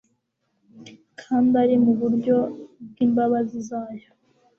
Kandi ari mu buryo bw'imbabazi zayo.